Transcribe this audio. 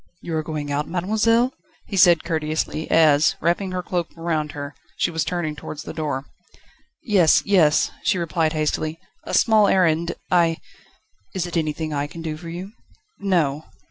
"You are going out, mademoiselle?" he said courteously, as, wrapping her cloak around her, she was turning towards the door. "Yes, yes," she replied hastily; "a small errand, I ..." "Is it anything I can do for you?" "No."